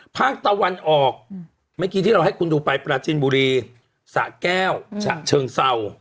ภาคตะวันออกเมื่อกี้ที่เราให้คุณดูไปปราจินบุรีสะแก้วฉะเชิงเศร้า